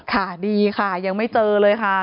ค่ะดีค่ะยังไม่เจอเลยค่ะ